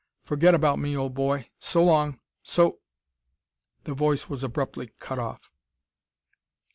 Forget about me, old boy. So long! So " The voice was abruptly cut off.